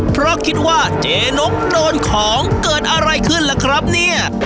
เพราะคิดว่าเจนกโดนของเกิดอะไรขึ้นล่ะครับเนี่ย